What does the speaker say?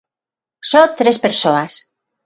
Só tres persoas.